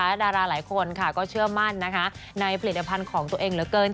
และดาราหลายคนค่ะก็เชื่อมั่นนะคะในผลิตภัณฑ์ของตัวเองเหลือเกิน